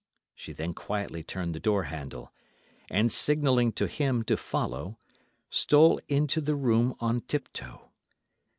She then quietly turned the door handle, and signalling to him to follow, stole into the room on tiptoe.